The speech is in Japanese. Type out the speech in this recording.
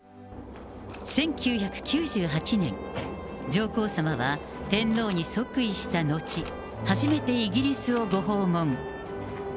１９９８年、上皇さまは天皇に即位した後、初めてイギリスをご訪問。